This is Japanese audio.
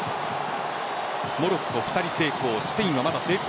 モロッコ２人成功